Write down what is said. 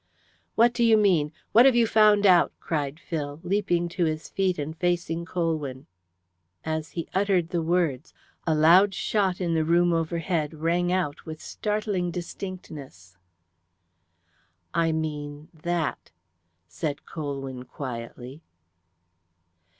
"What do you mean? What have you found out?" cried Phil, leaping to his feet and facing Colwyn. As he uttered the words, a loud shot in the room overhead rang out with startling distinctness. "I mean that," said Colwyn quietly.